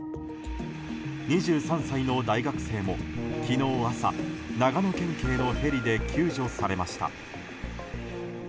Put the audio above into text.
２３歳の大学生も昨日朝、長野県警のヘリで救助されました。